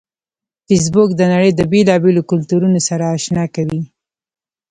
فېسبوک د نړۍ د بیلابیلو کلتورونو سره آشنا کوي